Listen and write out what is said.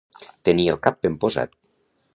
Tenir el cap ben posat.